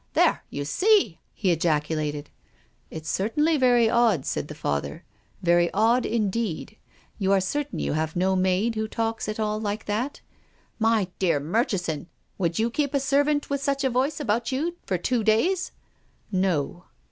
"There, you see !" he ejaculated. " It's certainly very odd," said the Father. " Very odd indeed. You are certain you have no maid who talks at all like that ?"" My dear Murchison ! Would you keep a serv ant with such a voice about you for two days ?" "No."